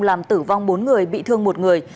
làm tử vong bốn người bị thương một người